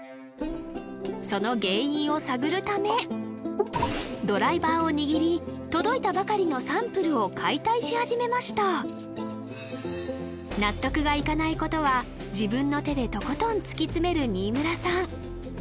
その原因を探るためドライバーを握り届いたばかりのサンプルを解体し始めました納得がいかないことは自分の手でとことん突き詰める新村さん